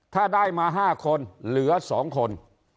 ถ้าได้มาห้าคนเหลือสองคน